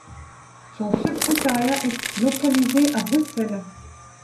Son secrétariat est localisé à Bruxelles.